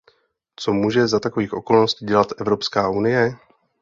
Co může za takových okolností dělat Evropská unie?